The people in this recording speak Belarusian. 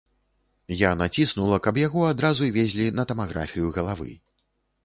Я націснула, каб яго адразу везлі на тамаграфію галавы.